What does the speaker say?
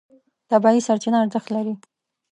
طبیعي سرچینه ارزښت لري.